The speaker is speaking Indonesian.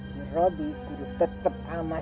si robi duduk tetap sama